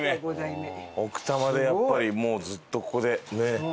奥多摩でやっぱりもうずっとここでねっ？